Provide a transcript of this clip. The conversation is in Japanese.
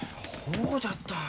ほうじゃったん。